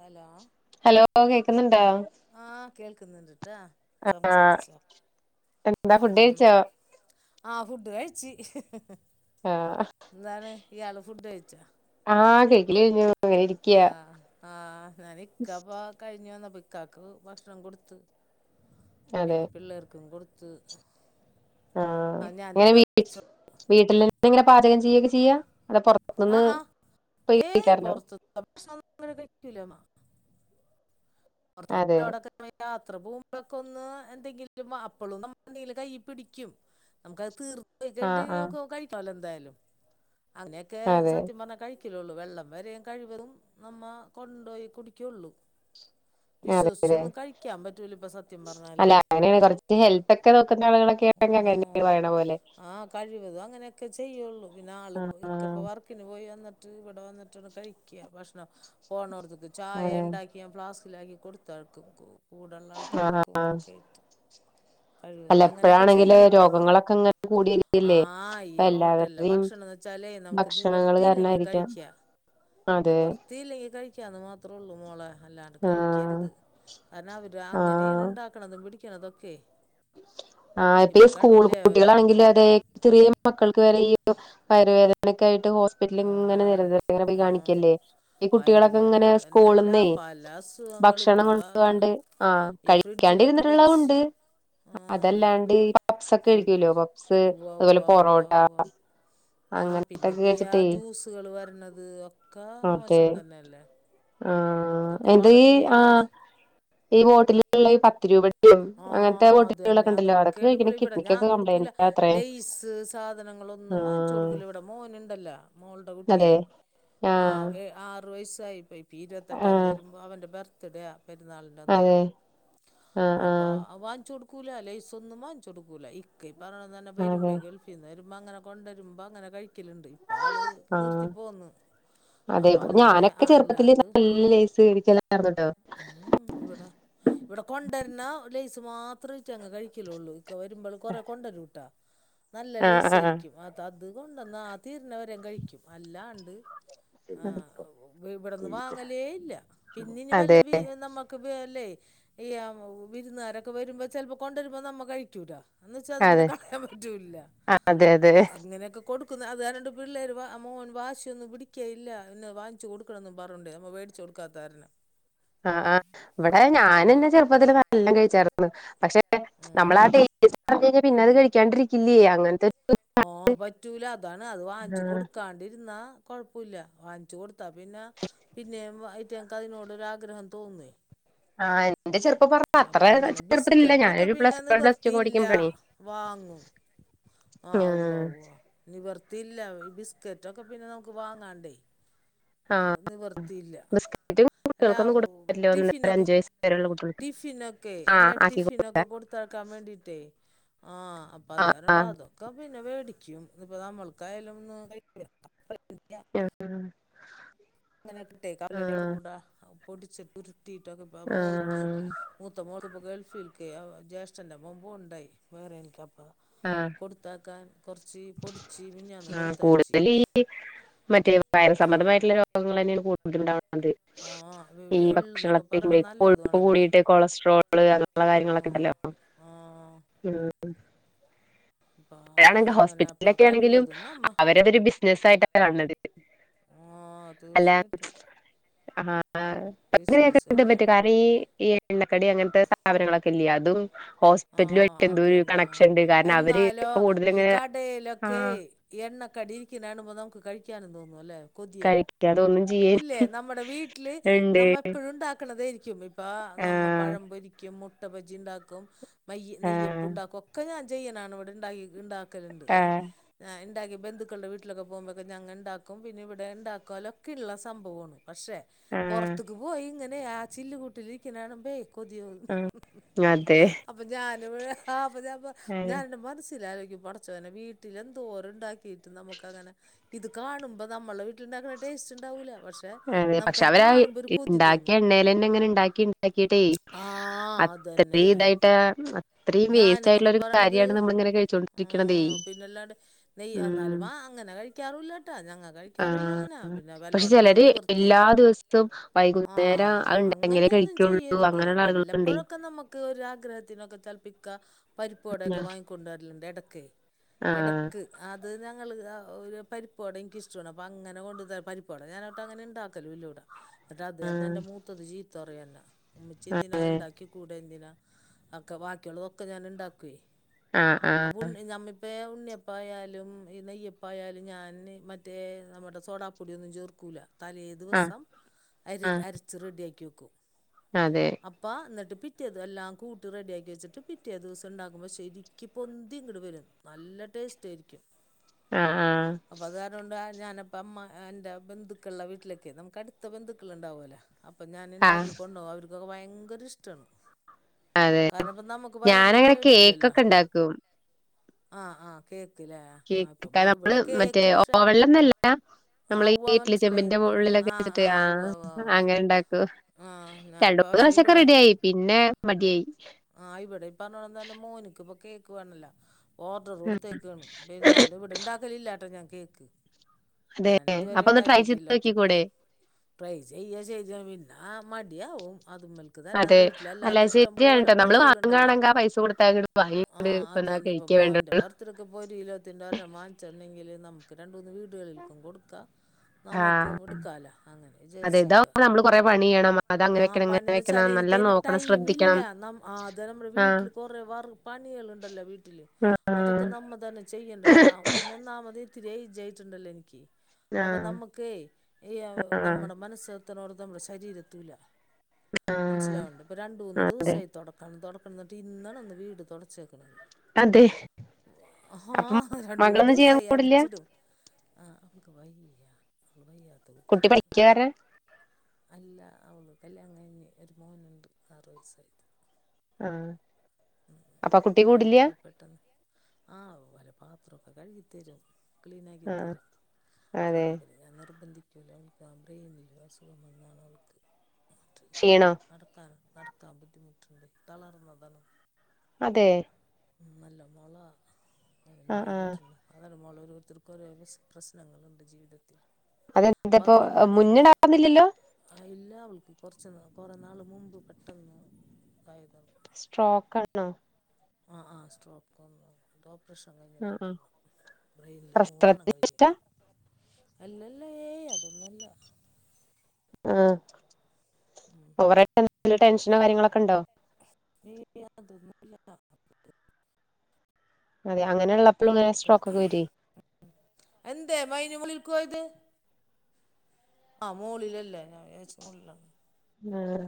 Hello [inaudible] hello കേക്കുന്നുണ്ടോ കേൾക്കുന്നുണ്ട് ആഹ് എന്താ ഫുഡ് ഉം കഴിച്ചോ ആഹ് ഫുഡ് കഴിച്ച് ആഹ് എന്താണ് ഇയാള് ഫുഡ് കഴി ച്ചാ ആഹ് കഴിക്കല് കഴിഞ്ഞു ഇങ്ങന ഇരിക്യാ നാനിക്കാപ്പ കഴിഞ്ഞുവന്ന ഇക്കാക്ക് ഭക്ഷണം കൊട്ത്ത് പിന്നെ പിള്ളേർക്കും കൊടു ത്ത് ആ ഇങ്ങനെ വീട്ടില് ഇങ്ങനെ പാചകം ചെയ്യൊക്കെ ചെയ്യാ അതോ ആ പൊറത്ത്ന്ന് ആ പോയി ഏയ് കഴിക്കാറുണ്ടോ പൊറതുത്തെ ഭക്ഷണം നമ്മള് കഴിക്കൂലമ്മ അതെ [unintelligible] യാത്ര പോകുമ്പക്ക ഒന്ന് എന്തെങ്കിലും അപ്പൊളും നമ്മളെന്തേലും കൈ പിടിക്കും നമുക്കത് തീർ ഇജണ്ട് ആഹ് ആഹ് മ്മക്ക് കഴിക്കാല്ലോ എന്തായാലും അങ്ങനെയൊക്കെ അതെ സത്യം പറഞ്ഞാ കഴി കഴിക്കലുള്ളൂ വെള്ളം വരെയും കഴിവതും നമ്മ കൊണ്ടുപോയി കുടിക്കുള്ളൂ വിശ്വസിച്ച് അതെല്ലേ ഒന്നും കഴിക്കാൻ പറ്റൂല ഇപ്പ സത്യം പറഞ്ഞാലേ അല്ല അങ്ങനെയാണ് കൊറച്ച് ഹെൽത്ത് ഒക്കെ നോക്കുന്ന ആളുകളൊക്കെ ഓ ആണെങ്കി അങ്ങനെയാണ് പറയണ പോലെ ആ കഴിവതും അങ്ങനെയൊക്കെ ചെയ്യുള്ളൂ പിന്നെ ആള് ആഹ് ഇക്ക ഇപ്പൊ വർക്കിനു പോയി വന്ന് ട്ട് ഇവിടെ വന്നിട്ടാണ് കഴിക്ക ഭക്ഷണം പോണോടുത്ത് ചായ അതെ ഉണ്ടാക്കിയാ ഫ്ലാസ് ഇല്ലാകി കൊടുത്താർക്കും കോ കൂടുള്ള ആഹ് ആൾക്കാർക്കും ആഹ് ഒക്കെ ആയിട്ട് അല്ല കഴിവതും അങ്ങനെയൊക്കെ ഇപ്പഴാണെങ്കില് ചെയ്യും രോഗങ്ങളൊക്കെ ഇങ്ങനെ കൂടി ആ വരികയല്ലേ ഈ അപ്പൊ ഹോട്ടല്ലേ എല്ലാവരുടെയും ഭക്ഷണംന്ന് വെച്ചാലേ നമുക്ക് ഭക്ഷണങ്ങള് നിവർത്തിയില്ലെങ്കി കാരണായിരിക്കാം കഴിക്കാം അതെ നിവർത്തിയില്ലെങ്കി കഴി നിക്ക് അതു മാത്രേ ഉള്ളൂ മോളെ അല്ലാണ്ട് ആഹ് കഴിക്കരുത് കാരണം അവര് അങ്ങനെയാണ് ഉണ്ടാക്കണതും പിട നിക്ക്അതൊക്കെ ആ ഇപ്പം ഈ സ്കൂൾ അവർ കുട്ടികളാണെങ്കിലും അതെ ചെറിയ മക്കൾക്ക് വരെ ഈ വയറുവേദനക്കായിട്ട് ഹോസിപ്പിറ്റല ആ ഇങ്ങനെ വേറെ പോയി ആ കാണിക്കല്ലേ ഈ കുട്ടികളൊക്കെ വയറുവേദന ഇങ്ങനെ തന്നെയല്ല സ്കൂളന്നേ പല അസുഖങ്ങൾ ഭക്ഷണം കൊണ്ട ഇപ്പം പോണ്ട് ആ ഈ കഴിക്കാണ്ട് ഫ്രിഡ്ജിലൊക്കെ ഇരുന്നിട്ടുള്ള വെച്ച് ഉണ്ട് അതല്ലാണ്ട് കഴിക്കൂലോ ഫ്രിഡ്ജ് പപ്സ് ഉവ്വാ അതുപോലെ ഉവ്വാ പൊറോട്ട ഉവ്വാ ആ അങ്ങനത്തൊക്കെ പിന്നെപ്പ ഈ ആ കഴിച്ചിട്ടേ ജ്യൂസുകൾ വരണത് ഒക്കെ മോശം തന്നെയല്ലേ ആ അതൊക്കെ എന്ത ഈ വളരെ ആ മോശം ഈ ബോട്ടില് ഉള്ള പത്ത് രൂപ അങ്ങനെ ആ അത്തന്നെ അതൊക്കെയ ഇവിടെ ഇവിടെ ഞാൻ കൊടുക്കൂല കംപ്ലൈന്റ് അത്രേ ലെയസ് സാധനങ്ങളൊന്നും വാങ്ങിച്ച് ആഹ് കൊടുക്കൂല ഇവിടെ മോന് ഉണ്ടല്ലോ മോളുടെ അതെ കുട്ടിയെ ആ ആഹ് ആറു വയസ് [unintelligible] ഇപ്പീ ഇരുത്തെട്ടാന്തി ആഹ് വരുമ്പോ അവന്റെ ബർ ത്ടെയാ പെരുന്നാളിന്റന്ന് അതെ ആഹ് അപ്പൊ ആഹ് അവാഞ്ച് കൊടുക്കൂല ലെയ്സൊന്നും വാങ്ച്ചോടുക്കൂല ഇക്കയി അടനെ തന്നെ അതെ വരുമ്പേ ഗൾഫീന്നരും മംഗലം കൊണ്ടെരുമ്പോ അങ്ങനെ കഴി ആ അതെ അപ്പൊ ഇവിടെ അതുവരെ ഞാനക്കെ ചെറുപ്പത്തില് അല്ലാണ്ട് നല്ല ലേസ് വേടിക്കലായിരുന്നുട്ടോ ഉം ഇവിട ഇവിട കൊണ്ടരണ ലെയ്സ് മാത്രെ ഇ ചങ്ങ് കഴിക്കലുള്ളൂ ഇക്ക വരുമ്പള് കൊറേ കൊണ്ടരൂട്ടാ നല്ല ആഹ് ആഹ് ലെയ്സായിരിക്കും അതാ അതുകൊണ്ടന്നാ തീരണവരേം കഴിക്കും അല്ലാണ്ട് ആ അതെ ഒ ഇവിടൊന്നും വാങ്ങലേ ഇല്ല പിന്നെനി വല്ല ഈ എ നമ്മക്ക് വേ അല്ലേ ഈ ആം ഉ വിരുന്നുകാരക്കെ വരുമ്പൊ ചെൽപ്പോ കൊണ്ടുവരുമ്പോ നമ്മ കഴിക്കൂല എന്ന് വച്ചാ അത് പിന്നെ അതെ കളയാൻ പറ്റൂല്ലല്ല അതെ അതെ അങ്ങനെയൊക്ക കൊടുക്കുന്ന അത് ആ രണ്ട് പിള്ളേര് വാ മോൻ വാശിയൊന്നും പിടിക്കെ ഇല്ല പിന്ന് വാങ്ച്ച് കൊടുക്കണന്നും പറഞ്ഞോണ്ട് അമ്മ വേടിച്ചു കൊടുക്കാത്താരണം ആ ആ ഇവിടെ ഞാനന്നെ ചെറുപ്പത്തില് നല്ലാം കഴി ചേർന്ന് പക്ഷെ ഉം നമ്മളാട്ടെ ടെസ് [unintelligible] കഴിഞ്ഞ പിന്നെത് കഴിക്കാണ്ടിരിക്കില്ല്യേ അങ്ങനത്തെ ഓ പറ്റൂല അതാണ് അത് വാങ്ങ്ച്ചു ആഹ് കൊടുക്കാണ്ടിരുന്നാ കൊഴപ്പൊല്ല വാങ്ങ്‌ച്ചു കൊടുത്താ പിന്നെ പിന്നേം അയ്റ്റങ്ങ്ക്ക് അയിനോടൊരാഗ്രഹം തോന്നേ ആ അപ്പ അങ്ങന ബിസ്ക്കറ്റൊക്ക ഞാനൊരു പിന്നെ പ്ലസ് വൺ പ്ലസ് ടു ഒക്കെ നിവർത്തിയില്ല പഠിക്കുമ്പഴാണേ വാങ്ങും ആ ഉവ്വ ആഹ് ഉവ്വ നിവർ തില്ല ഈ ബിസ്ക്കറ്റൊക്കെ പിന്നെ നമുക്ക് വാങ്ങാണ്ടേ ആഹ് നിവർത്തിയില്ല ബിസ്ക്കറ്റ് എല്ലാ കുട്ടികൾക്കൊന്നും കൊടുക്കാൻ പറ്റില്ല ഒന്നര ടിഫിനൊക്ക അഞ്ച് വയസ്സ് വരെയുള്ള കുട്ടികൾക്ക് ടിഫിനൊക്കെ എല്ലാ ആഹ് ആക്കി കൊടു ടിഫിനൊക്ക കൊടുത്താക്കാൻ വേണ്ടീട്ടേ ആ അപ്പൊ അത് കാരണട അതൊക്കെ പിന്നെ വേടി ക്കും ഇതിപ്പ നമ്മൾക്കായല്ന്ന് കഴി [unintelligible] ങ്ങനെ തിട്ടേ കാടലന്റെക്കെ ആഹ് കൂട പൊടിച്ച കുരു ക്കപ്പോ മോള്ക്ക് ആഹ് മൂത്ത മോൾ പ്പം ഗൾഫിൽക്കേ അ ജ്യേഷ്ഠന്റെ മോൻ പോവ്ണ്ടായി ബഹറെൻക്കെ കൊടുത്താക്കാൻ കുറച്ച് പൊടിച്ച് മിഞ്ഞാന്ന് ആ കൊടുത്തയച്ച് കൂടുതൽ ഈ മറ്റേ വയറ് സംബന്ധമായിട്ട്ല്ലെ രോഗങ്ങളന്നേണ് [unintelligible] അത് ആ ഈ എള്ളെന്നൊക്കെ ഭക്ഷണത്തിന് പറയണത് കൊഴുപ്പ് നല്ലതുമാണല്ലോ കൂടിയിട്ട് കൊളസ്ട്രോള് അങ്ങനള്ള ആഹ് കാര്യങ്ങളൊക്കെണ്ടല്ലോ ആഹ് ആ അപ്പ അപ്പോഴണെങ്കി അങ്ങനെ അപ്പ ഹോസ്പിറ്റലിലൊക്കെ ആണെങ്കിലും കഴിവതും നമ്മ അവര് വര് ബിസിനസായിട്ടാ കാണ് ണത് ആഹ് അല്ല തീർച്ചയായിട്ടും ബിസിനസ് തന്നെയാണ് [unintelligible] ഈ എണ്ണക്കടി അങ്ങനത്തെ സാനങ്ങളൊക്കെല്ല്യേ അ തും ഹോസ്പിറ്റലയിട്ട് ന്തോരു കണക്ഷണ്ട് കാരണം അവര് ലോ കൂടുതൽ ഈ ഇങ്ങനെ കടേലൊക്കേ ആഹ് എണ്ണ കടിയിരിക്ക്‌ണ് കാണുമ്പോ നമുക്ക് കഴിക്കാനും തോന്നും അല്ലേ കഴിക്കാ തോന്നും ഇല്ലേ നമ്മടെ വീട്ടില് നമ്മ എപ്പഴും ണ്ടാക്ക ക്ക്ണതേ എനിക്ക് ഉപ പ്പാ നമ്മ ആഹ് പഴം പൊരിക്കും മു മുട്ടബജിണ്ടാക്കും മയ്യ് ആഹ് നെയ്യപ്പുണ്ടാകും ഒക്കെ ഞാ ചെ ആണ് ഇവിടെ ഇണ്ടാ ആഹ് [inaudible] [unintelligible] ബന്ധുക്കളുടെ വീട്ടിലൊക്കെ പോകുമ്പം ഞങ്ങള്ണ്ടാക്കും പിന്നെ ഇവിടെ ഉണ്ടാകൊ ഇളള സംഭവാണ് പക്ഷെ ആഹ് പുറത്ത്ക്ക് പോയി ഇങ്ങനെ- ആ ചില്ലു കുട്ടിലിരിക്കണ കാണുമ്പോൾ കൊതിയോന്നും ആഹ് അതെ അപ്പൊ ഞാൻ [inaudible] അതെ [unintelligible] [unintelligible] പടച്ചോനെ വീട്ടിലെന്തോര ഉണ്ടാക്കിട്ട് നമുക്ക് അങ്ങനെ ഇത് കാണുമ്പോ നമ്മുടെ വീട്ടിലുണ്ടാ- ടേസ്റ്റ് ഉണ്ടാവൂലാ അതെ പക്ഷെ അവരാ തോന്നും ഉണ്ടാക്കിയ എണ്ണയിതന്നെ അങ്ങനെ ഉണ്ടാക്കി ഉണ്ടാക്കിട്ടേ ആ അത്രയും ഇതായിട്ട- ഞാനന്നൊക്കെ പറയണത് ആ കഴിച്ചോണ്ടിരിക്കണതേ പിന്നെല്ലാണ്ട് നെയ് ഉം എന്നാലും വ അങ്ങനെ കഴിക്കാറുല്ലാട്ടാ ഞങ്ങള് കഴിക്കാറില്ല അങ്ങനെ ആഹ് പിന്നെ പക്ഷെ വല്ലോടം പോവുബം- ചെലര് എല്ലാ ദിവസവും ആ വൈകുന്നേരം അത് ഇണ്ടെങ്കിലേ അങ്ങനെയൊന്നും കഴിക്കുള്ളൂ ചെയ്യരുത് അങ്ങനെയുള്ള ആളുകളുണ്ടേ വല്ലപ്പഴൊക്കെ നമ്മക്ക് ഒരാഗ്രഹത്തിനൊക്കെ ചെലപ്പ ക്ക പരിപ്പ്ടൊക്കെ വാങ്ങിക്ക കൊണ്ടുവരലുണ്ട് ഇട ക്കെ ആഹ് എടക്ക് അത് ഞങ്ങള് ഒരു പരിപ്പാട എനിക്കിഷ്ടമാണ് അപ്പൊ അങ്ങനെ കൊണ്ട് ത പരിപ്പാട ഞാനട്ട് അങ്ങനെ ഉണ്ടാക്കല്ലോ ഇല്ലൂടെ ന്നിട്ട് അത് തന്നെ ആഹ് എന്റെ മൂത്തത് ചീ [unintelligible] ഉമ്മിച്ച എന്തിനാ അതെ ഉണ്ടാക്കി കൂടെ എന്തിനാ ഒക്കെ ബാക്കിയുള്ള [unintelligible] ഒക്കെ ഞാൻ ഉണ്ടാക്ക ആഹ് ആഹ് അപ്പോണ്ണി ഞമി പെ ഉണ്ണിയപ്പായാലും ഈ നെയ്യപ്പായാലും ഞാൻ മറ്റേ നമ്മുടെ സോഡാപ്പൊടിയൊന്നും ചേർക്കൂല്ല തലേ ആഹ് ദിവസം അ ആഹ് അരച്ച് റെഡിയ ആക്കി കക്കു അതെ അപ്പാ എന്നട്ട് പിറ്റിയത് എല്ലാം കൂട്ട് റെഡിയാക്കി വെച്ചിട്ട് പിറ്റേ ദിവസം ഉണ്ടകുമ്പോ ശരിക്കി പൊന്തി ഇങ്ങട് വരും നല്ല ടേസ്റ്റ് ആയിരിക്കും ആഹ് ആ ഞാനപ്പ അമ്മ എന്റെ ബന്ധുക്കളെ വീട്ടി ലൊക്കെ നമുക്ക് അടുത്ത ബന്ധുക്കൾ ഉണ്ടാവുമലേ അപ്പൊ ഞാൻ ആഹ് ഉണ്ടാക്കി കൊണ്ടോ അവർക്ക് [unintelligible] ഭയങ്കര ഇഷ്ടമാണ് കാരണംപ്പൊ നമുക് ഞാന അങ്ങനൊക്കെ ഏക്കൊക്കെ ഇണ്ടാക്കും ആഹ് ആഹ് കേ കേ നമ്മള് മറ്റേ പക്ഷേ ഓവണിലൊന്നല്ല ആ നമ്മൾ ഈ ഉവ്വ ഇഡ്ലി മനസ്സിലായി ചെമ്പിന്റെ ഉം, ഉള്ളിലൊക്കെ വെച്ചിട്ട് ആ ഉവ്വ ഉവ്വ ഉവ്വ അങ്ങനെ ഉണ്ടാക്കൂ ആ ഞാൻ രണ്ട അപ്പം മൂന്ന് ദസൊക്കെ റെഡിയായി പിന്നെ മടിയായി ആഹ് ഇവിടെ പറഞ്ഞോണം തന്നെ മോനക്ക് ഇപ്പൊ കേക്ക് വേണല്ല ഓർഡർ കൊടുത്തേക്കാണ് നല്ല ഇവിടെണ്ടാക്കലില്ലട്ടോ ഞ [unintelligible] അതെ ഞാൻ ഇതുവരെ അപ്പൊ ഒന്ന് ട്രൈ ചെയ്ത് ഇണ്ടാക്കിട്ടില്ല ഒറ്റയ്ക്ക് നോക്കിക്കൂടെ ട്രൈ ചെയ്യ ചെയ്താ വേണ്ടി ആ മടിയാ ഉം അതും മൽക്ക എന്നെ അതെ വീട്ടില അല്ല അല്ലാത്ത ഇഷ്ടം ശരിയാണ് പോലെ ട്ടോ നമ്മള് ളുണ്ടല്ലോ വാങ്ങാണെങ്കി ആ പൈസ കൊടുത്താ അങ്ങട് ആ വാങ്ങിങ്ങട് വന്നാ അതുതന്നെ ഇപ്പൊ കഴിക്കേ വേണ്ടുള്ളൂ മോൻ്റെ ബർത്ത്ഡേക്ക് ഇപ്പൊ ഒരു കിലോത്തിൻറെ ഒരെണ്ണം വാങ്ങിച്ചോണ്ടെങ്കിൽ [unintelligible] നമുക്ക് രണ്ട് [unintelligible] ആ നമുക്ക് കൊടുക്കാലാ അതെ [unintelligible] ഇതാവുമ്പോ നമ്മള് കൊറേ പണി ചെയ്യണം അത് അങ്ങനെ ആഹ് വെക്കണം ഇങ്ങനെ പണ്ടേച്ചാലേ വെക്കണം എനിക്ക് നല്ലോം അതിന് നോക്കണം ടൈമില്ല ശ്രദ്ധിക്കണം നമു ആഹ് അതെ നമ്മള് ആ വീട്ടില് കൊറേ വർ പണികളുണ്ടല്ലോ വീട്ടില് ആ അതൊക്കെ നമ്മ തന്നെ ചെയ്യണ്ടെല്ലാം പിന്നെ ഒന്നാമത്- [unintelligible] ത്തിരിയായി [unintelligible] ട്ടുണ്ടല്ലേ എനിക്ക് ആ അപ്പൊ നമ്മുക്കെ ഈ [unintelligible] ആ നമ്മടെ മനസ്സ് ത്തണോടത്ത് നമ്മുടെ ശരീരെ ത്തൂല്ല ആ മനസ്സിലാവാണ്ട് ഇപ്പ രണ്ടു മൂന്ന് അതെ ദിവസായി തൊട തൊടക്കണം [unintelligible] എന്നിട്ട് ഇന്നാണ് ഒന്ന് വീട് തൊടച്ചത് അതെ ഏഹ് അപ്പൊ രണ്ട് മൂന്ന് മകളൊന്നും ചെയ്യാൻ ദിവസായി കൂടില്ല അടിച്ചിടും ആ അവൾക്ക് [inaudible] കുട്ടി പഠിക്കാ [unintelligible] കാരണം അല്ല [unintelligible] കല്യാണം കഴി ഒരു മോനുണ്ട് ആറ് വയസ്സ് ആ ഉം അപ്പൊ ആ കുട്ടി [unintelligible] കൂടില്ല ക്ക് പെട്ടെന്ന് ആ വല [inaudible] പാത്രോക്ക കഴുകി തരും [unintelligible] ക്ലീനാക്കി ആ തരും അതെ [unintelligible] ഞാൻ നിർബന്ധി [unintelligible] സുഖമില്ല അവൾക്ക് ക്ഷീണോ അതൊക്ക നടക്കാൻ ബുദ്ധിമു [unintelligible] [unintelligible] തളർന്നതാണ് അതെ നല്ല മഴ [unintelligible] ആ എന്ത് ചെയ്യാൻ പറ്റും അതാണ് മോള് [unintelligible] ഓരോത്തർക്ക് ഓരോ പ്രസ് പ്രശ്നങ്ങള്ണ്ട് ജീവിതത്തില് അതെന്താ ഇപ്പൊ മുന്നേണ്ടാർന്നില്ലല്ലോ ആ, ഇല്ല അവൾക്ക് കുറച്ച് നാ കൊറെ നാള് മുമ്പ് പെട്ടെന്ന് ഇണ്ടായതാണ് സ്ട്രോക്ക് ആണോ ആഹ് ആഹ് സ്ട്രോക് വന്നു ഇപ്പൊ പ്രെഷറ് ആ ആ [unintelligible] ഡെയിലി മൂന്ന് എണ്ണം പ്രസവത്തിനു കഴിക്കണം അല്ലല്ല ഏയ് അതൊന്നുല്ല ആഹ് ൾ [unintelligible] വല്ല ടെൻഷനോ കാര്യങ്ങളൊക്കെണ്ടോ ഏയ് ഏയ്‌ അതൊന്നുല്ല അതെയാ അങ്ങനെയൊള്ളപ്പളും ഇങ്ങനെ സ്ട്രോക്കൊക്കെ വരുവേ ആഹ് മോളിലല്ലേ ഞാൻ വിചാരിച്ചു മുറിലാണെന്ന്‌ ആഹാ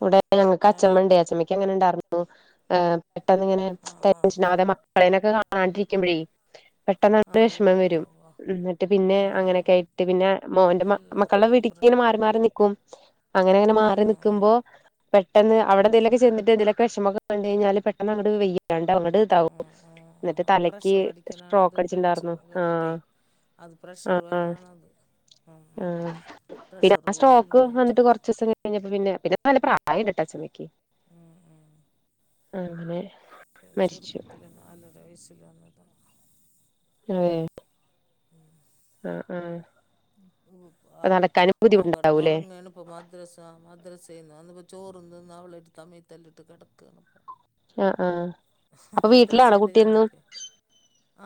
ഇവിടെ ഞങ്ങക്ക് പിന്നെ അച്ഛമ്മണ്ടേ അച്ചമ്മക്ക് അങ്ങനെ ഇണ്ടാർന്നു ആഹ് പെട്ടെന്ന് ഇങ്ങനെ ക്കെ ആഹ് പ്രശ്നാകെ മക്കളെനൊക്കെ കാ ആണ്ടിരിക്കമ്പഴേ പെട്ടെന്നാണ്ട് ആഹ് ഉവ്വ് വെഷമം ഉവ്വ് വരും. ഉവ്വ് എന്നിട്ട് പിന്നെ ആഹ് അങ്ങനെക്കായിട്ട് പിന്നെ മോന്റെ മ ഇതതല്ല മക്കള്ടെ വീട്ടിക്ക് ബ്ര ങ്ങനെ മാറി മാറി നിക്കും. അങ്ങനങ്ങനെ ആഹ് മാറി ആഹ് നിക്കുമ്പോ പെട്ടെന്ന് അവടെ ന്തെലൊക്കെ ചെന്നിട്ട് എന്തെലോകെ വിഷമൊക്കെ കണ്ടഴ്ഞ്ഞാല് പെട്ടെന്ന ങ്ങട്ട് വെയ്യ [unintelligible] ങ്ങട് താവും ആഹ് ആഹ് ന്നട്ട് ആഹ് അത് തലക്ക് പ്രഷർ അടിക്കലാണത് സ്ട്രോക് ടെൻഷൻ അടിച്ചിട്ടിണ്ടാർന്നു കേറിട്ടേ ആഹ് അത് പ്രഷർ ആഹ് വന്നാണത് ഉം ആഹ് ഉം ആഹ് പിന്നെ പ്രഷർ ആഹ് സ്ട്രോക്ക് കൂടലുണ്ടായിട്ടാ ന്നട്ട് കൊറ കഴിഞ്ഞപ്പോ പിന്നെ പിന്നെ നല്ല പ്രായം ഇണ്ട്ട്ടാ അച്ചമ്മക്ക് അങ്ങനെ ചെ മരിച്ചു ചെർപത്തിലെ നാലര വയസ്. [unintelligible] വന്നതാ ഏ ആഹ് ആഹ് ഉം ഉ ആഹ് നടക്കാനും ഓൻ കെടന്ന് ബുദ്ധിമുട്ടുണ്ടാവൂല്ലേ ഒറങ്ങാണ്പ്പോ മദ്രസ മദ്രാസ് സ്ന്ന് വന്നപ്പോ ചോറും തിന്ന് അവള്ട്ക്കാ മെതെല്ലിട്ട് കെടക്കാണിപ്പോ. ആഹ് ആഹ് അപ്പൊ വീട്ടിലാണോ മദ്രസിണ്ട് കുട്ടിയെന്നും ഞങ്ങൾക്ക്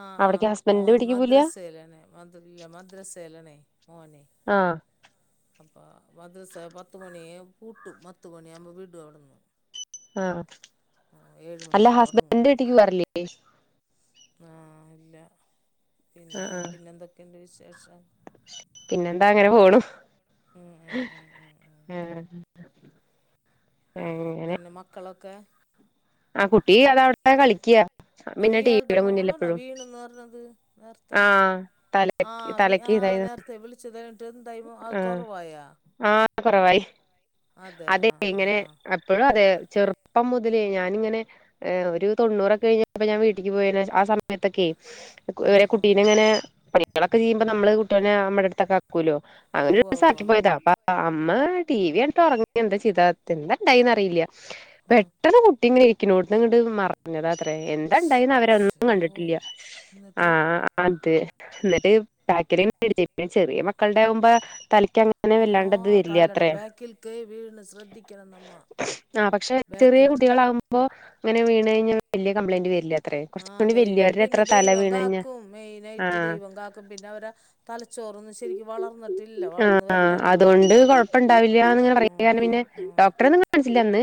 ആഹ് അവിടേക്ക് ആഹ് ഹസ്ബൻഡിന്റെ മോൻ വീട്ടിക്ക് പോവില്ല മദ്രസയിലാണെ വന്നട്ടില്ല മദ്രസയിലാണേ. ആഹ് അപ്പൊ മദ്രസ പത്ത് മണിയായ പൂട്ടും. പത്ത് മണിയാവുമ്പോ വിടു അവട്ന്ന്. ആഹ് അല്ല ഹസ്ബ തുടങ്ങും എന്റെ വീട്ടിക്ക് വറില്ലേ ആ ഇല്ല പിന്നെ ആഹ് ആഹ് പിന്നെ എന്തൊക്കെയുണ്ട് വിശേ ശ പിന്നെന്താ അങ്ങനെ പോണു. ഉം ഉം ഉം ഉം ഉം പിന്നെ മക്കളൊക്കെ ആ കുട്ടി അതവിടെ കളിക്യാ. ആ ഇയാള്ടെ മോളാണോ വീണ്ന്ന് പറഞ്ഞത് നെ ആഹ് ആ തലക്ക് തലക്ക് ആ ഇതായി നേരത്തെ വിളിച്ചത്ഴഞ്ഞിട്ട് എന്തായ അ കൊറവായാ അ കൊറവായി അതെ ഇങ്ങനെ ആഹ് ആഹ് എപ്പഴും അതെ ചെറുപ്പം മുതലേ ഞാനിങ്ങനെ ഒരു തൊണ്ണൂറൊക്കെ കഴിഞ്ഞപ്പ ഞാൻ വീട്ടിക്ക് പോയ ആ സമയത്തൊക്കെ ആഹ് ആഹ് എ [unintelligible] പണികളൊക്കെ ചെയ്യുമ്പോ നമ്മള് കുട്ടീനെ നമ്മുടെ അടുത്തൊക്കെ ആക്കൂല്ലോ അങ്ങനെ ഉവ്വ ഒരുസ ഉവ്വ ആക്കി പോയതാ അപ്പ ഉമ്മ ടി വി [unintelligible] ഉറങ്ങി എന്താ [unintelligible] എന്താണ്ടായിന്ന് അറിയില്ല ആഹ് പെട്ടെന്ന് [unintelligible] [unintelligible] കൊണ്ട് മറിഞ്ഞതാ അത്രേ എന്തണ്ടായിന്ന് അവരെ ഒന്നും അശ്ശോ കണ്ടിട്ടില്ല്യ ആ എന്നിട്ട് ആ അതെ എന്നിട്ട് [unintelligible] [unintelligible] ചെറിയ മക്കളുടെ മുമ്പ ത ആഹ് തലേടാ ബേക്കിൽക്ക് വീണ് ശ്രദ്ധിക്കണ നമ്മ ബാക്കിൽക്ക് പ്പോ അങ്ങനെ വീണ് കഴിഞ്ഞാ വലിയ കംപ്ലയിന്റ് വരില്ല അത്രേ ആഹ് കുറച്ച് ദൈവം വലിയരുടെ പിന്നെ എത്ര തല ദൈവം വീണ് കഴിഞ്ഞാ കാക്കും മെയിനായിട്ട് ആഹ് ദൈവം കാക്കും പിന്നെ അവര തല [inaudible] ആഹ് വരണല്ലേ ഉള്ളൂ അതുകൊണ്ട് കൊഴപ്പ ഇണ്ടാവില്ലന്ന്ങ്ങനെ ആഹ് [unintelligible] ആഹ് പിന്നെ ആഹ് ഡോക്ടറെന്നും കാണിച്ചില്ല അന്ന്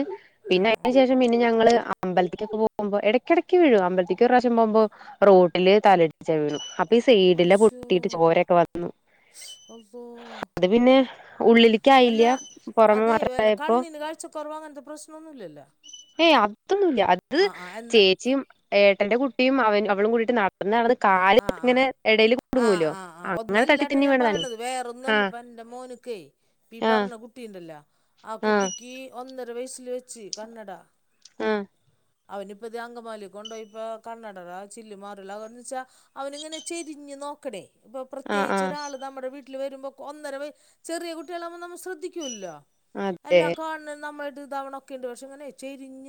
പിന്നെ ആഹ് അതിനു ആഹ് ശേഷം പിന്നെ ഞങ്ങള് അമ്പലത്തിക്കൊക്ക പോകുമ്പോ എടക്കെടയ്ക്ക് വീഴും അമ്പലേക്ക് ഒരു പ്രാവശ്യം പോകുമ്പോ റോട്ടില് തലടിച്ച വീണു അ ഈ സീടില്ല പൊട്ടീട്ട് ചോരൊക്കെ വ ശ് അവ്വോ [unintelligible] അല്ല ഉള്ളിലേക്കായില്ല പുറമെ അതേ വല്ല മാത്രായപ്പോ കണ്ണിന് കാഴ്ചക്കുറവാ അങ്ങനത്തെ പ്രശ്നനോന്നുംല്ലല്ലോ ഏയ് അതൊന്നും ഇല്ല അത് എന്താ ചേച്ചിയും ഏട്ടന്റെ കു [unintelligible] അവളും കൂടിയിട്ട് [unintelligible] ആഹ് ആഹ് ആഹ് ആഹ് ആഹ് അങ്ങനെ തട്ടി ഒന്നല്ലാട്ടാ തിന്നി ഞാൻ വീണതാണ് പറയണത് വേറെ ഒന്നുംല്ല ആഹ് ഇപ്പ എന്റ മോന്ക്കെ [unintelligible] ആഹ് പറഞ്ഞ കുട്ടിണ്ടല്ലോ ആ ആഹ് കുട്ടിക്ക് [unintelligible] ഒന്നര വയസ്സില് വെച്ച് കണ്ണട ആഹ് അവനി ഇപ്പ ദേ അങ്കമാലി കൊണ്ട്പോയി ഇപ്പോ കണ്ണടക [unintelligible] [unintelligible] അവനങ്ങനെ ചെരിഞ്ഞ് നോക്ക ഇപ്പൊ ആഹ് പ്രത്യേകിച്ച് ആഹ് ഒരാള് നമ്മുടെ വീ [unintelligible] വരുമ്പോ ഒന്നര [unintelligible] ചെറിയ കുട്ടികളാകുമ്പോൾ നമ്മൾ ശ്രദ്ധിക്കൂല്ലോ അത് എല്ലാം കാണുന്ന [unintelligible] തവണ ഒക്കെ ഉണ്ട് പക്ഷേങ്ങനെ [unintelligible] ചെരിഞ്ഞ്